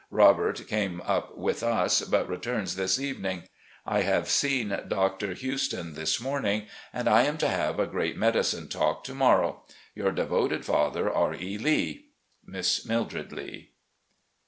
Robert came up with us, but returns this evening. I have seen Dr. Houston this morning, and I am to have a great medicine talk to morrow. "Your devoted father, "R. E. Lee. "Miss Mildred Lee."